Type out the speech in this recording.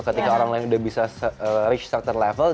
ketika orang lain udah bisa reach tractor level